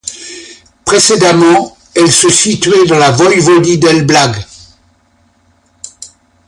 Précédemment, elle se situait dans la voïvodie d'Elbląg.